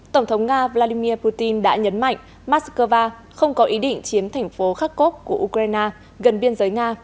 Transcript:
tổng thống nga vladimir putin đã nhấn mạnh moscow không có ý định chiếm thành phố kharkov của ukraine gần biên giới nga